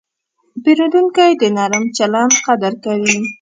پیرودونکی د نرم چلند قدر کوي.